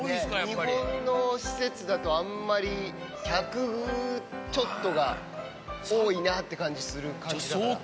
日本の施設だとあんまり、１００ちょっとが多いなって感じがする感じだから。